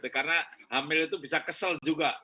karena hamil itu bisa kesel juga